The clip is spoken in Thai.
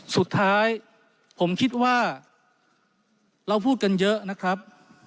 สุดท้ายผมคิดว่าเราพูดกันเยอะนะครับ